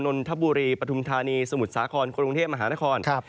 นนทบุรีปฐุมธานีสมุทรสาครกรุงเทพมหานคร